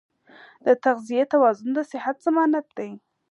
د تغذیې توازن د صحت ضمانت دی.